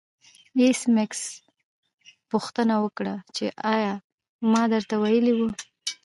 ایس میکس پوښتنه وکړه چې ایا ما درته ویلي وو